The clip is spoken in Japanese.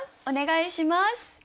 お願いします。